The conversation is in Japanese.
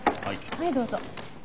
はいどうぞ。